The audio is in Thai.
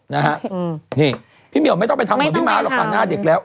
นะฮะนี่พี่เหมียวไม่ต้องไปทำเหมือนพี่ม้าหรอกฟังหน้าเด็กแล้ว